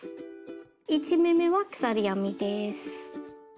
１目めは鎖編みです。